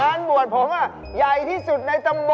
บวชผมใหญ่ที่สุดในตำบล